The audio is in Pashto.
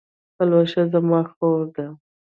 پلوشه زما خور ده